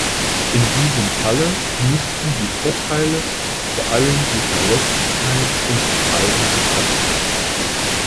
In diesem Falle müssten die Vorteile vor allem die Verlässlichkeit und die Preise betreffen.